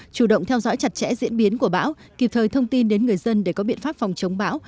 chủ động theo dõi chặt chẽ diễn biến của bão kịp thời thông tin đến người dân để có biện pháp phòng chống bão